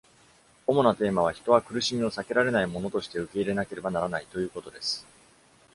主なテーマは、人は苦しみを避けられないものとして受け入れなければならないということです。